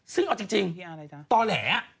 ซึ่งเอาจริงต่อแหล